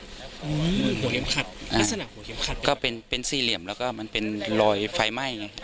หัวเหลี่ยมขัดลักษณะหัวเข็มขัดก็เป็นเป็นสี่เหลี่ยมแล้วก็มันเป็นรอยไฟไหม้